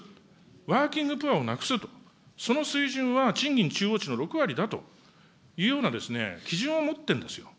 ワーキングプアをなくすと、その水準は賃金中央値の６割だというような基準を持ってるんですよ。